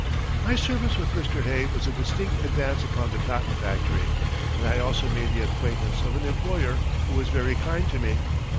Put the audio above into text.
My service with Mr. Hay was a distinct advance upon the cotton factory, and I also made the acquaintance of an employer who was very kind to me.